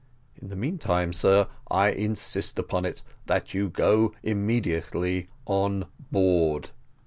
In the meantime, sir, I insist upon it, that you go immediately on board."